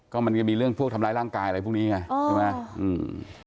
ก็มันก็มีเรื่องพวกทำร้ายร่างกายอะไรพวกนี้ไงใช่ไหมอืม